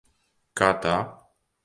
Kā tā?